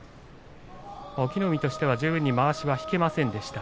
隠岐の海十分にまわしを引けませんでした。